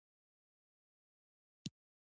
زه هره ورځ د سهار ورزش کوم او روغ یم